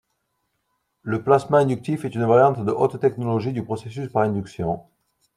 Le plasma inductif est une variante de haute-technologie du processus par induction.